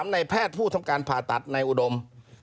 ในแพทย์ผู้ทำการผ่าตัดในอุดม